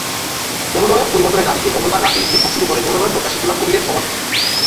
মনোনয়ন পরিবর্তনের দাবিতে মঙ্গলবার রাতেই বিক্ষোভ শুরু করেন মনোনয়নপ্রত্যাশী গোলাম কবিরের সমর্থকেরা।